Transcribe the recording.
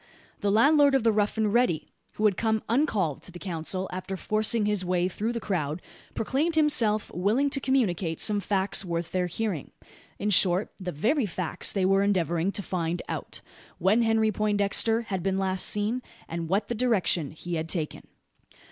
The landlord of the Rough and Ready, who had come uncalled to the council, after forcing his way through the crowd, proclaimed himself willing to communicate some facts worth their hearing in short, the very facts they were endeavouring to find out: when Henry Poindexter had been last seen, and what the direction he had taken.